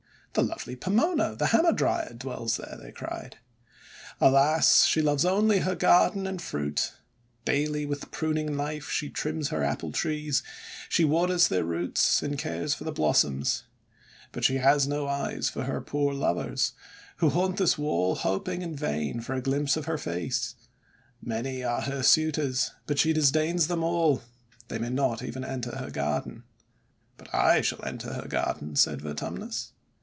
'The lovely Pomona, the Hamadryad, dwells there!' they cried. "Alas! she loves only her garden and fruit! Daily with priming knife she trims her Apple Trees; and she waters their roots, and cares for the blossoms. But she has THE WOOING OF POMONA 435 no eyes for her poor lovers, who haunt this wall hoping in vain for a glimpse of her face! Many are her suitors, but she disdains them all; they may not even enter her garden." "But I shall enter her garden!" said Vertum nus.